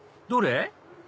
どれ？